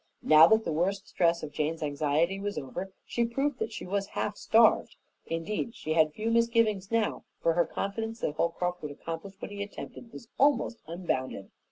Now that the worst stress of Jane's anxiety was over, she proved that she was half starved. Indeed she had few misgivings now, for her confidence that Holcroft would accomplish what he attempted was almost unbounded.